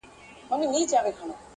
له سپاهيانو يې ساتلم پټولم،